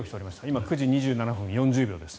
今、９時２７分４０秒です。